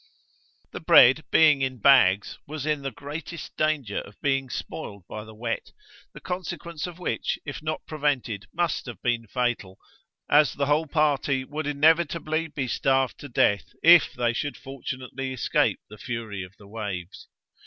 The bread, being in bags, was in the greatest danger of being spoiled by the wet, the consequence of which, if not prevented, must have been fatal, as the whole party would inevitably be starved to death, if they should fortunately escape the fury of the waves.